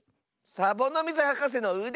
サボノミズはかせのうで！